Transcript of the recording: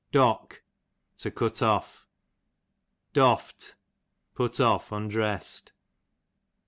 Dock, to crU off. Dofft, put of, undressed.